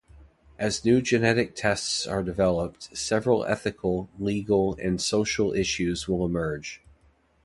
As new genetic tests are developed several ethical, legal, and social issues will emerge.